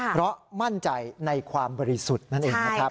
เพราะมั่นใจในความบริสุทธิ์นั่นเองนะครับ